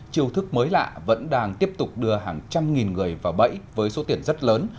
chiêu thức mới lạ vẫn đang tiếp tục đưa hàng trăm nghìn người vào bẫy với số tiền rất lớn